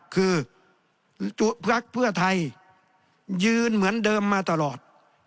คือพักเพื่อไทยยืนเหมือนเดิมมาตลอด